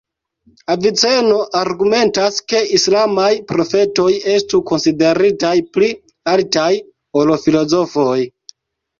Aviceno argumentas ke islamaj profetoj estu konsideritaj pli altaj ol filozofoj.